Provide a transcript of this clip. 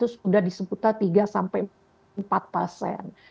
sudah disebutkan tiga empat